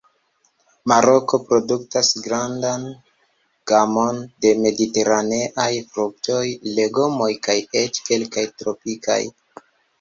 Maroko produktas grandan gamon de mediteraneaj fruktoj, legomoj kaj eĉ kelkaj tropikaj.